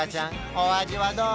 お味はどう？